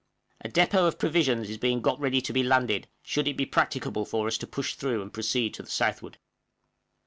A depôt of provisions is being got ready to be landed, should it be practicable for us to push through and proceed to the southward.